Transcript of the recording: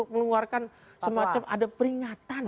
meluarkan semacam ada peringatan